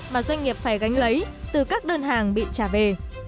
mà doanh nghiệp phải gánh lấy từ các đơn hàng bị trả về